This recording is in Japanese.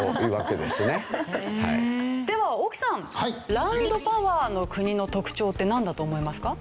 では大木さんランドパワーの国の特徴ってなんだと思いますか？